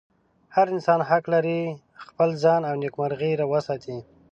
هر انسان حق لري خپل ځان او نېکمرغي وساتي.